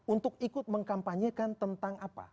untuk ikut mengkampanyekan tentang apa